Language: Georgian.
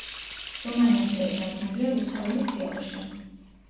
რომანი ასევე დადგმულია რუსთაველის თეატრში.